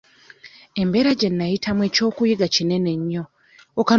Embeera gye nnayitamu eky'okuyiga kinene nnyo.